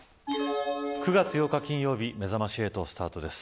９月８日金曜日めざまし８スタートです。